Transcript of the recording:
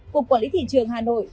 cục quản lý thị trường hà nội